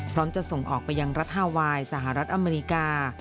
พร้อมจะส่งออกไปยังรัฐฮาวายสหรัฐอเมริกา